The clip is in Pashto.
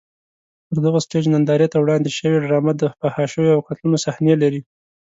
پر دغه سټېج نندارې ته وړاندې شوې ډرامه د فحاشیو او قتلونو صحنې لري.